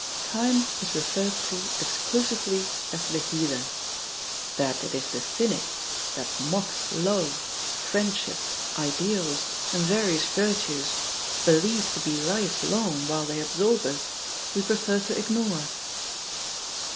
Time is referred to exclusively as the "healer/* That it is the cynic that mocks love, friendship, ideals, and various virtues, believed to be lifelong while they absorb us, we prefer to ignore.